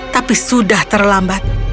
tapi sudah terlambat